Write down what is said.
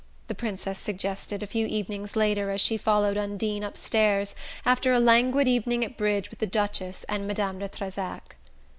the Princess suggested a few evenings later as she followed Undine upstairs after a languid evening at bridge with the Duchess and Madame de Trezac.